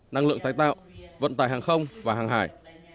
năng lượng tái tạo vận tải hàng không và hàng hải